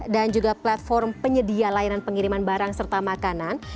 dan juga platform penyedia layanan pengiriman barang serta makanan